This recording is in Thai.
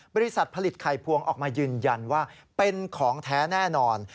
บริษัทผลิตไข่พวงออกมายืนยันว่าเป็นของแท้แน่นอน